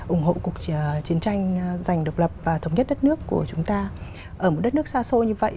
ủng hộ cuộc chiến tranh giành độc lập và thống nhất đất nước của chúng ta ở một đất nước xa xôi như vậy